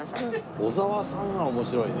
小沢さんは面白いね。